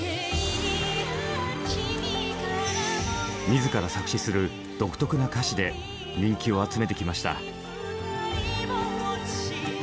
自ら作詞する独特な歌詞で人気を集めてきました。